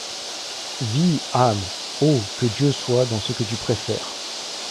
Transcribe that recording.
Vis, âme :— Oh ! que Dieu soit dans ce que tu préfères !